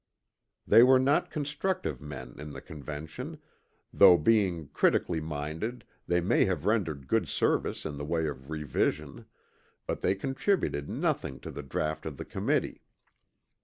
They were not constructive men in the Convention, though being critically minded they may have rendered good service in the way of revision, but they contributed nothing to the draught of the Committee.